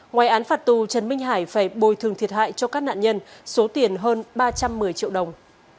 ngoài án phạt tù trần minh hải phải bồi thường thiệt hại cho các nạn nhân số tiền hơn ba trăm một mươi triệu đồng